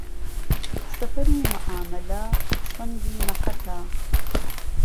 سهفهرو مهعامهله سهنگی مهحهکه